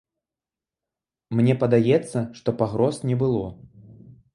Мне падаецца, што пагроз не было.